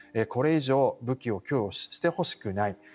これ以上武器を供与してほしくない。